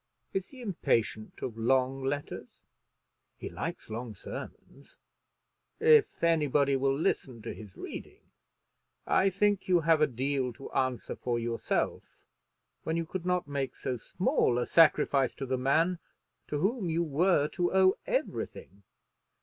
Is he impatient of long letters?" "He likes long sermons." "If anybody will listen to his reading. I think you have a deal to answer for yourself, when you could not make so small a sacrifice to the man to whom you were to owe everything.